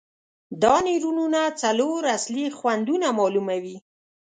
دا نیورونونه څلور اصلي خوندونه معلوموي.